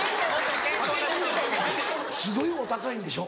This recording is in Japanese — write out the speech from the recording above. すごいお高いんでしょ？